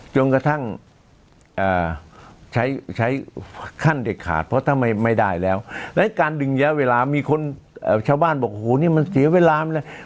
จนกระทั่งใช้ขั้นเด็ดขาดเพราะถ้าไม่ได้แล้วและการดึงระยะเวลามีคนชาวบ้านบอกโอ้โหนี่มันเสียเวลาเลย